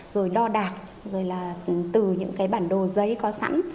rồi đo đạt rồi là từ những bản đồ giấy có sẵn